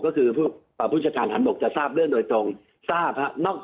ก็คือผู้จัดการฐานบกจะทราบเรื่องโดยตรงทราบครับ